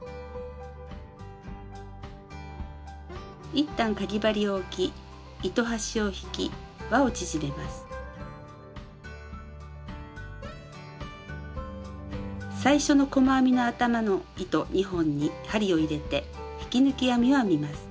一旦かぎ針を置き最初の細編みの頭の糸２本に針を入れて引き抜き編みを編みます。